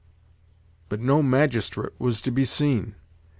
But no magistrate was to be seen!